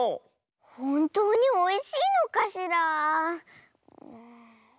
ほんとうにおいしいのかしら。